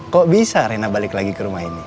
kok bisa rena balik lagi ke rumah ini